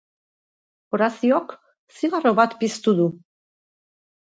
Horaziok zigarro bat piztu du.